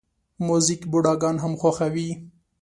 موزیک بوډاګان هم خوښوي.